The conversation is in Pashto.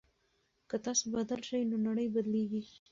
که تاسو بدل شئ نو نړۍ بدليږي.